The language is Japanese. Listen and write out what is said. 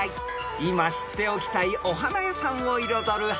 ［今知っておきたいお花屋さんを彩る花々］